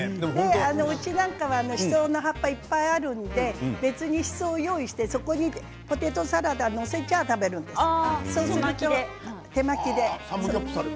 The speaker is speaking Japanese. うちは、しその葉っぱがいっぱいあるので別にしそを用意してそこにポテトサラダを載せて食べるんです手巻きで。